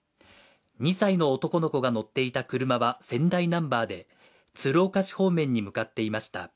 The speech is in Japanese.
２歳の男の子が乗っていた車は、仙台ナンバーで鶴岡市方面に向かっていました。